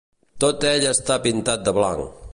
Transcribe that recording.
Tot ell està pintat de blanc.